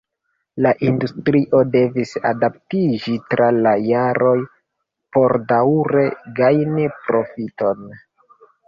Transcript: La industrio devis adaptiĝi tra la jaroj por daŭre gajni profiton.